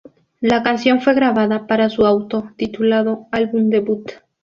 La canción fue grabada para su auto-titulado álbum debut.